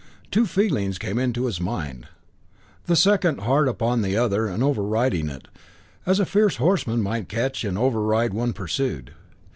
Two feelings came into his mind, the second hard upon the other and overriding it, as a fierce horseman might catch and override one pursued.